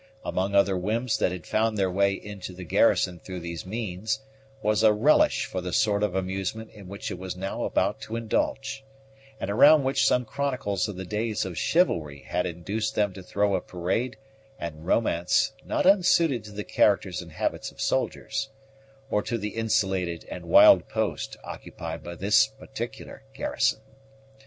Among other whims that had found their way into the garrison through these means, was a relish for the sort of amusement in which it was now about to indulge; and around which some chronicles of the days of chivalry had induced them to throw a parade and romance not unsuited to the characters and habits of soldiers, or to the insulated and wild post occupied by this particular garrison.